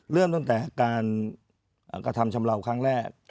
เริ่มตั้งแต่การกระทำชำเลาครั้งแรก